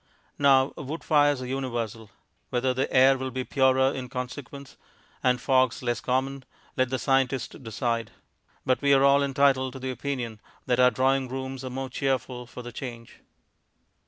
Now wood fires are universal. Whether the air will be purer in consequence and fogs less common, let the scientist decide; but we are all entitled to the opinion that our drawing rooms are more cheerful for the change.